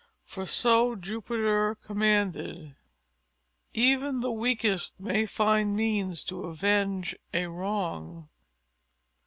For so Jupiter commanded. _Even the weakest may find means to avenge a wrong.